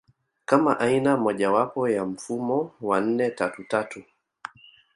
kama aina mojawapo ya mfumo wa nne tatu tatu